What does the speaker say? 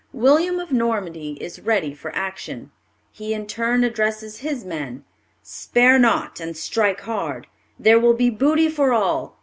William of Normandy is ready for action. He in turn addresses his men: "Spare not, and strike hard. There will be booty for all.